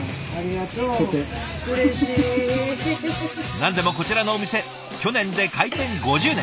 何でもこちらのお店去年で開店５０年。